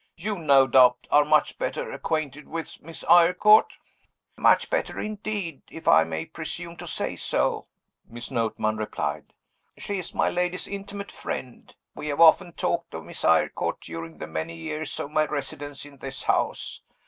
You, no doubt, are much better acquainted with Miss Eyrecourt?" "Much better, indeed if I may presume to say so," Miss Notman replied. "She is my lady's intimate friend; we have often talked of Miss Eyrecourt during the many years of my residence in this house.